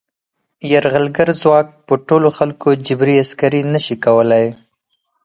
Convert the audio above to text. یرغلګر ځواک په ټولو خلکو جبري عسکري نه شي کولای.